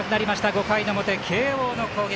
５回の表慶応の攻撃。